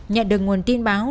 nhận được nguồn tin báo